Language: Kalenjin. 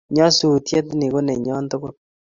nyasutyet ni ko nenyo tugul